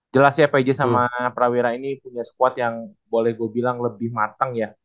jelas ya pj sama prawira ini punya squad yang boleh gue bilang lebih matang ya